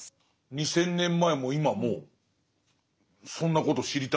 ２，０００年前も今もそんなこと知りたいですね。